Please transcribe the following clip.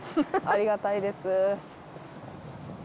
ありがたいです。